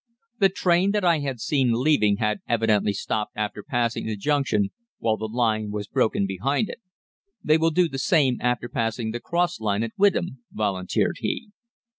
The train that I had seen leaving had evidently stopped after passing the junction, while the line was broken behind it. 'They will do the same after passing the cross line at Witham,' volunteered he.